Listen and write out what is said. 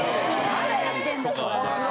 ・まだやってんだそれ。